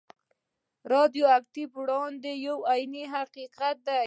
د راډیو اکټیف وړانګې یو عیني حقیقت دی.